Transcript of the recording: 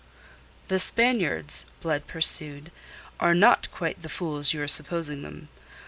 "The Spaniards," Blood pursued, "are not quite the fools you are supposing them.